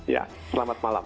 ya selamat malam